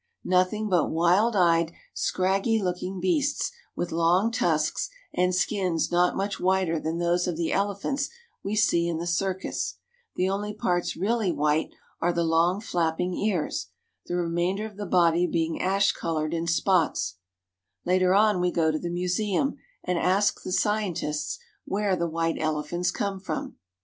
Nothing but wild eyed, scraggy looking beasts with long tusks and skins not much whiter than those of the ele phants we see in the circus. The only parts really white are the long flapping ears, the remainder of the body being When the king and princes ride out in state, it is upon elephants.' ash colored in spots. Later on we go to the museum and ask the scientists, where the white elephants come from.